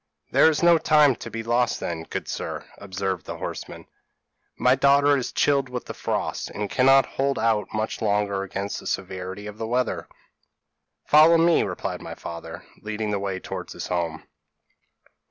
p> "'There is no time to be lost then, good sir,' observed the horseman; 'my daughter is chilled with the frost, and cannot hold out much longer against the severity of the weather.' "'Follow me,' replied my father, leading the way towards his home.